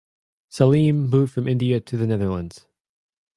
Salim moved from India to the Netherlands.